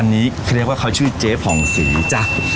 อันนี้เค้าชื่อเจ๊ภองสีจ๊ะ